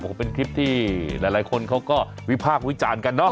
ก็เป็นคลิปที่หลายคนเขาก็วิพากษ์วิจารณ์กันเนาะ